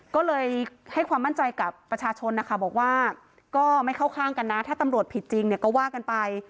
ก็เลยให้ความมั่นใจกับประชาชนนะคะบอกว่าก็ไม่เข้าข้างกันนะถ้าตำรวจผิดจริงเนี่ยก็ว่ากันไป